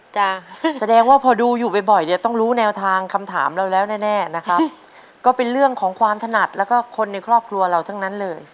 แสดงว่าพอดูอยู่บ่อยบ่อยเนี่ยต้องรู้แนวทางคำถามเราแล้วแน่แน่นะครับก็เป็นเรื่องของความถนัดแล้วก็คนในครอบครัวเราทั้งนั้นเลย